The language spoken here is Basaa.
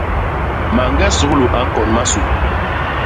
Mañge suglu a ñkon masu.